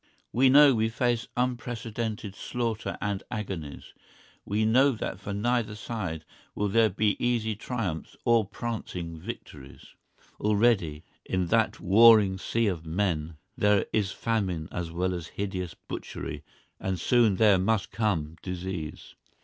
We know we face unprecedented slaughter and agonies; we know that for neither side will there be easy triumphs or prancing victories. Already, in that warring sea of men, there is famine as well as hideous butchery, and soon there must come disease.